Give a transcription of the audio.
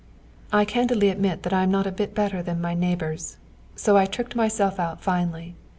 I candidly admit that I am not a bit better than my neighbours. So I tricked myself out finely.